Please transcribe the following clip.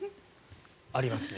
ありますね。